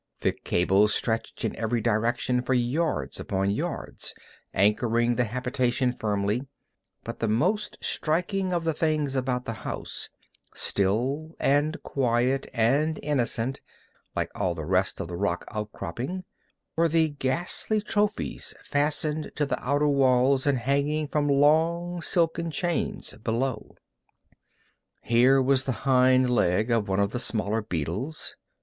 Thick cables stretched in every direction for yards upon yards, anchoring the habitation firmly, but the most striking of the things about the house still and quiet and innocent, like all the rest of the rock outcropping were the ghastly trophies fastened to the outer walls and hanging from long silken chains below. Here was the hind leg of one of the smaller beetles.